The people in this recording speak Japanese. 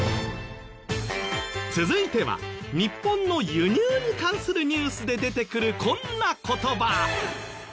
続いては日本の輸入に関するニュースで出てくるこんな言葉。